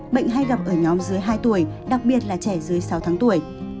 bệnh hay gặp ở nhóm dưới hai tuổi đặc biệt là trẻ dưới sáu tháng tuổi